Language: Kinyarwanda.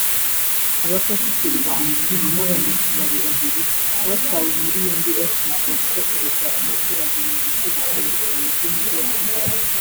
Abapasiteri barindwi n’abanyatubare babiri batawe muri yombi bashinjwa gusakuriza abaturage mu bice bitandukanye by’Umujyi wa Kigali